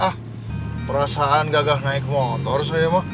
ah perasaan gagah naik motor saya mah